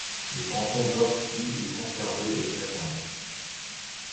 Le canton d'Orchies est conservé et s'agrandit.